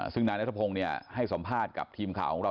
ซึ่งนายนัทพงศ์ให้สัมภาษณ์กับทีมข่าวของเรา